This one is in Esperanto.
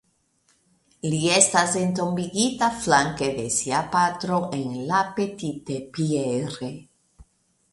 Li estas entombigita flanke de sia patro en La Petite Pierre.